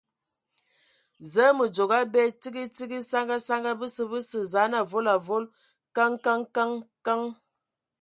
Zǝə, mǝ dzogo abe, tsigi tsigi, saŋa saŋa ! Bəsə, bəsə, zaan avol avol !... Kǝŋ Kǝŋ Kǝŋ Kǝŋ!